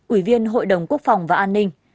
ủy viên hội đồng quốc phòng và an ninh